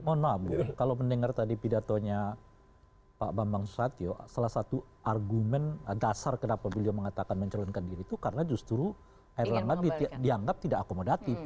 mohon maaf bu kalau mendengar tadi pidatonya pak bambang susatyo salah satu argumen dasar kenapa beliau mengatakan mencalonkan diri itu karena justru erlangga dianggap tidak akomodatif